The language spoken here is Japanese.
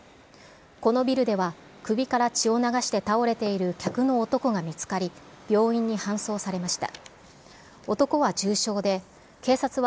このビルでは首から血を流して倒れている客の男が見つかり、病院に搬送されました。